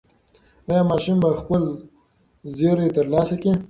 ایا ماشوم به خپل زېری ترلاسه کړي؟